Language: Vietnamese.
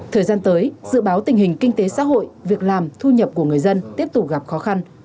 thời gian tới dự báo tình hình kinh tế xã hội việc làm thu nhập của người dân tiếp tục gặp khó khăn